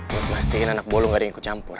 buat mastiin anak buah lu gak ada yang ikut campur